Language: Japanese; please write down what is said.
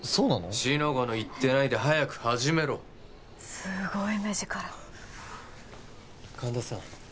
四の五の言ってないで早く始めろすごい目力神田さん